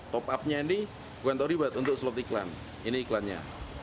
top upnya ini bukan terlibat untuk slot iklan ini iklannya